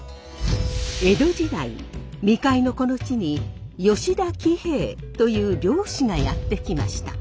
江戸時代未開のこの地に吉田喜兵衛という漁師がやって来ました。